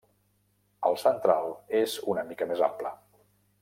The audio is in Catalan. El central és una mica més ample.